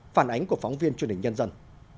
phản ánh của phóng viên truyền hình nhân dân